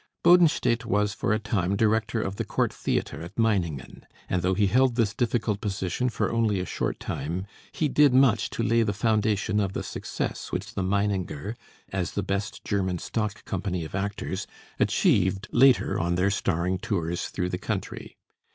Bodenstedt was for a time director of the court theatre at Meiningen; and though he held this difficult position for only a short time, he did much to lay the foundation of the success which the Meininger, as the best German stock company of actors, achieved later on their starring tours through the country.